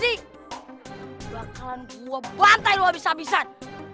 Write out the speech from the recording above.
bakalan gue bantai lu abis abisan